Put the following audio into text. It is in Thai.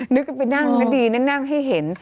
นึกว่าไปนั่งก็ดีนะนั่งให้เห็น